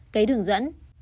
cấy đường dẫn